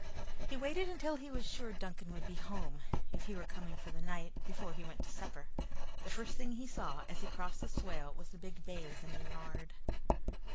He waited until he was sure Duncan would be at home, if he were coming for the night, before he went to supper. The first thing he saw as he crossed the swale was the big bays in the yard.